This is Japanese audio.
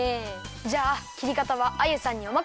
じゃあきりかたはアユさんにおまかせします！